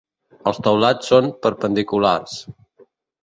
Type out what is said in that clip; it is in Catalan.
Els teulats són perpendiculars.